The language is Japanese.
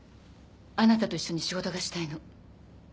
あなたと一緒に仕事がしたいの。